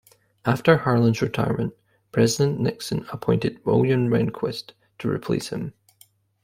After Harlan's retirement, President Nixon appointed William Rehnquist to replace him.